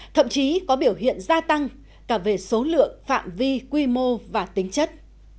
thậm chí có biểu hiện gia tăng cả về số lượng phạm vi quy mô và tính chất